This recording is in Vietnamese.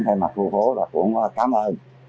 thay mặt khu phố cũng cảm ơn